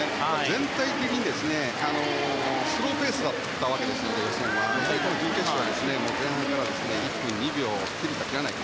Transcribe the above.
全体的に予選はスローペースだったので準決勝は前半から１分２秒を切るか切らないか。